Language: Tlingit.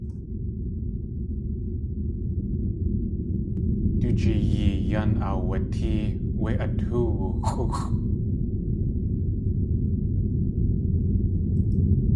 Du jiyee yan aawatée wé atóowu xʼúxʼ.